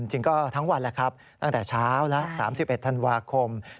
จริงก็ทั้งวันแล้วครับตั้งแต่เช้าแล้ว๓๑ธันวาคม